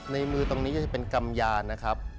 ในมือตรงนี้ก็จะเป็นกำยานนะครับ